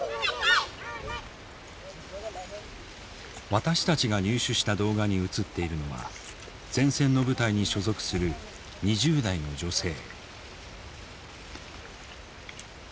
私たちが入手した動画に映っているのは前線の部隊に所属する２０代の女性。